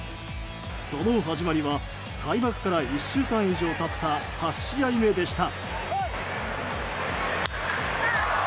その始まりは開幕から１週間以上経った８試合目でした。